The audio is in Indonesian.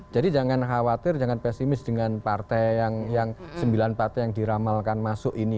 jadi jangan khawatir jangan pesimis dengan partai yang sembilan partai yang diramalkan masuk ini